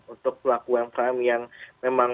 untuk pelaku umkm yang memang